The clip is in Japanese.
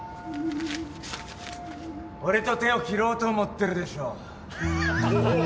俺と手を切ろうと思ってるでしょ？